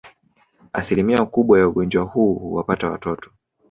Asilimia kubwa ya ugonjwa huu huwapata watoto